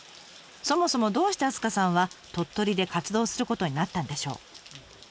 そもそもどうして明日香さんは鳥取で活動することになったんでしょう？